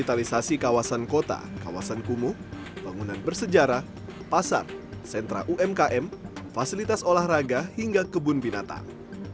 digitalisasi kawasan kota kawasan kumuh bangunan bersejarah pasar sentra umkm fasilitas olahraga hingga kebun binatang